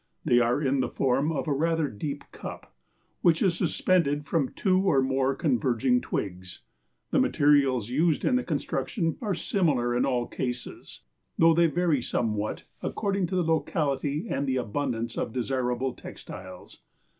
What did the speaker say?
They are in the form of a rather deep cup, which is suspended from two or more converging twigs. The materials used in the construction are similar in all cases, though they vary somewhat according to the locality and the abundance of desirable textiles.